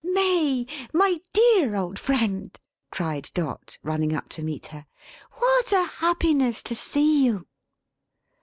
"May! My dear old friend!" cried Dot, running up to meet her. "What a happiness to see you!"